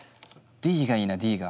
ＤがいいなＤが。